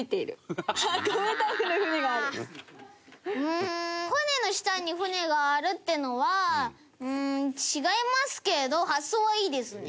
うーん船の下に船があるっていうのは違いますけど発想はいいですね。